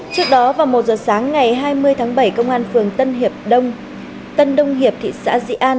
trước đó vào một giờ sáng ngày hai mươi tháng bảy công an phường tân hiệp đông tân đông hiệp thị xã dị an